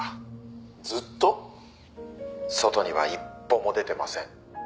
「外には一歩も出てません」